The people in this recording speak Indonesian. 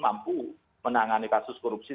mampu menangani kasus korupsi